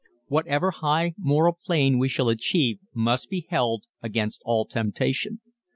Whatever high moral plane we shall achieve must be held against all temptation.